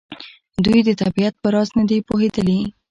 دوی د طبیعت په راز نه دي پوهېدلي.